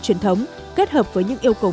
truyền thống kết hợp với những yêu cầu